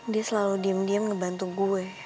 dia selalu diam diam ngebantu gue